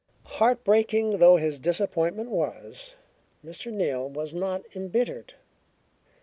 Heartbreaking though his disappointment was, Mr. Neal was not embittered.